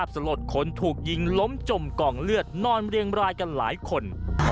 สลดคนถูกยิงล้มจมกองเลือดนอนเรียงรายกันหลายคน